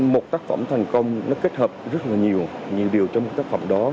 một tác phẩm thành công nó kết hợp rất là nhiều nhiều điều cho một tác phẩm đó